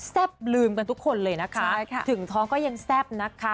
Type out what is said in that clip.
ลืมกันทุกคนเลยนะคะถึงท้องก็ยังแซ่บนะคะ